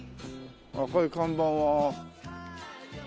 赤い看板が。